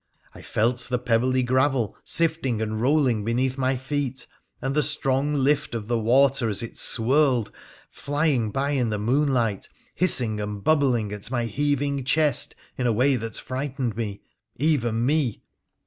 I felt the pebbly gravel sifting and rolling beneath my feet, and the strong lift of the water, as it swirled, flying by in the moonlight, hissing and bubbling at my heaving chest in a way that frightened me — even me.